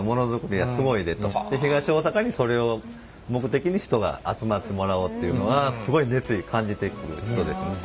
東大阪にそれを目的に人が集まってもらおうっていうのがすごい熱意感じてる人ですね。